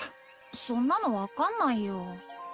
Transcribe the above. そんなの分かんないよ